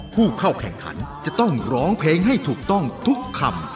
ผู้เข้าแข่งขันจะต้องร้องเพลงให้ถูกต้องทุกคำ